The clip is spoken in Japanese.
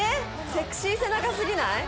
セクシー背中すぎない？